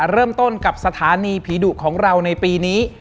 เริ่มต้นกับสถานีผีดุของเราในปีนี้